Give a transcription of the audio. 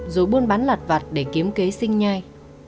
rồi buôn bán lạt vặt để kiếm kế sinh nhai